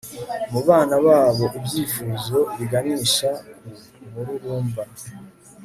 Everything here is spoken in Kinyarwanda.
mu bana babo ibyifuzo biganisha ku mururumba